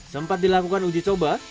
sempat dilakukan uji coba